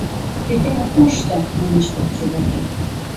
Кӱтен от мошто, манеш председатель.